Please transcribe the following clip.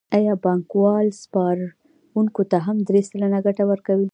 آیا بانکوال سپارونکو ته هم درې سلنه ګټه ورکوي